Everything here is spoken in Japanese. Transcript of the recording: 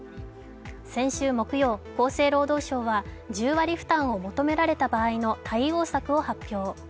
先週木曜、厚生労働省は１０割負担を求められた場合の対応策を発表。